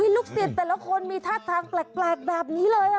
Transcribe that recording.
ลูกศิษย์แต่ละคนมีท่าทางแปลกแบบนี้เลย